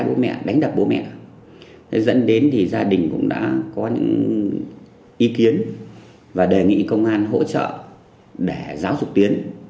tiến đã đánh đập bố mẹ dẫn đến gia đình cũng đã có những ý kiến và đề nghị công an hỗ trợ để giáo dục tiến